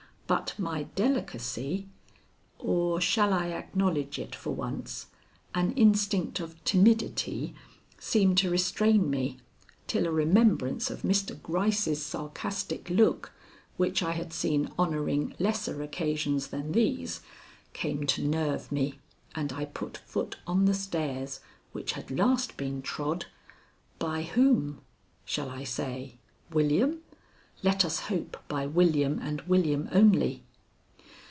But my delicacy or shall I acknowledge it for once? an instinct of timidity seemed to restrain me, till a remembrance of Mr. Gryce's sarcastic look which I had seen honoring lesser occasions than these, came to nerve me, and I put foot on the stairs which had last been trod by whom, shall I say? William? Let us hope by William, and William only.